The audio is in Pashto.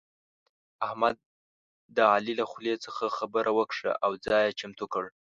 احمد د علي له خولې څخه خبره وکښه او ځای يې چمتو کړ.